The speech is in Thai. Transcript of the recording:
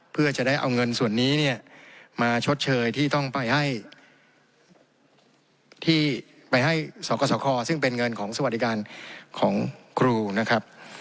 เพื่อจะได้เอาเงินส่วนนี้เนี่ยมาชดเชยที่ต้องไปให้ที่ไปให้สกสคซึ่งเป็นเงินของสวัสดิการของครูนะครับ